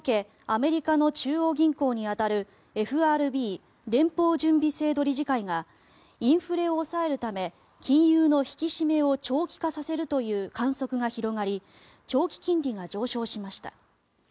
アメリカの中央銀行に当たるＦＲＢ・連邦準備制度理事会がインフレを抑えるため金融の引き締めを長期化させるという観測が広がり長期金利が上昇しました。